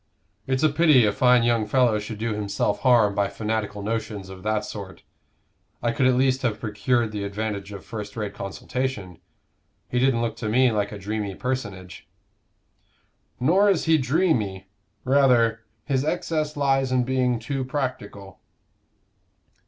"It's a pity a fine young fellow should do himself harm by fanatical notions of that sort. I could at least have procured the advantage of first rate consultation. He didn't look to me like a dreamy personage." "Nor is he dreamy; rather, his excess lies in being too practical."